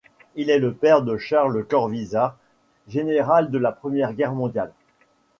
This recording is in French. Il est le père de Charles Corvisart, général de la Première Guerre mondiale.